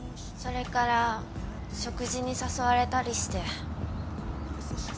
それから食事に誘われたりして。